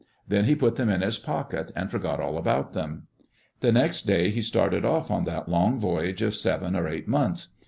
Then he put them in his pocket and forgot all about them. The next day he started off on that long voyage of seven or eight months.